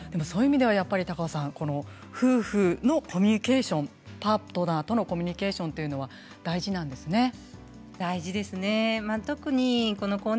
そういう意味では、高尾さん夫婦のコミュニケーションパートナーとのコミュニケーションというのは大事なんですね。